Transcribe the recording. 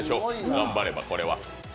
頑張れば、これは。